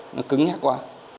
nó cứng nhát quá